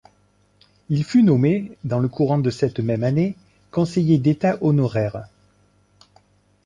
Il fut nommé, dans le courant de cette même année, conseiller d'État honoraire.